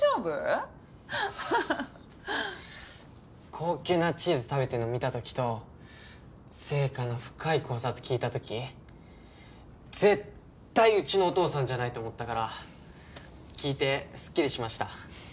高級なチーズ食べてるの見た時と『ＳＥＩＫＡ』の深い考察聞いた時絶対うちのお父さんじゃないと思ったから聞いてすっきりしました。